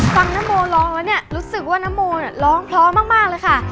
ฟังน้ำโมร้องแล้วเนี่ยรู้สึกว่าน้ำโมน่ะร้องพร้อมมากเลยค่ะ